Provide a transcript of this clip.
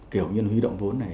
kiểu như là huy động vốn này